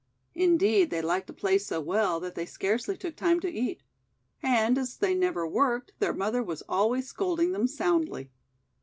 Indeed, they liked to play so well that they scarcely took time to eat. And, as they never worked, their mother was always scolding them soundly.